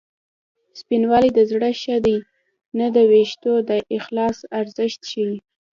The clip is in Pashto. سپینوالی د زړه ښه دی نه د وېښتو د اخلاص ارزښت ښيي